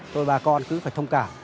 thôi bà con cứ phải thông cảm